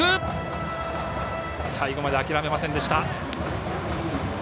最後まで諦めませんでした。